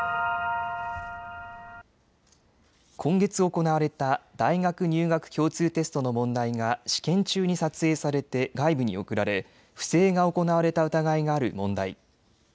今月行われた大学入学共通テストの問題が試験中に撮影されて外部に送られ不正が行われた疑いがある問題。